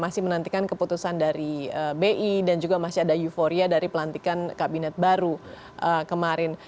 masih menantikan keputusan dari bi dan juga masih ada euforia dari pelantikan kabinet baru kemarin